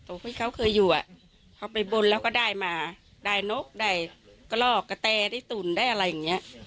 ที่เขาเคยอยู่อ่ะเขาไปบนแล้วก็ได้มาได้นกได้กระลอกกระแตได้ตุ่นได้อะไรอย่างเงี้ย